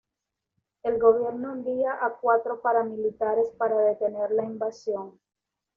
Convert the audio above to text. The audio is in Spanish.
El gobierno envía a cuatro paramilitares para detener la invasión.